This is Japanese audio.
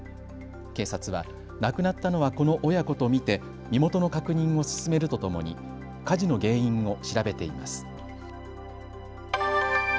警察は亡くなったのはこの親子と見て身元の確認を進めるとともに火事の原因を調べています。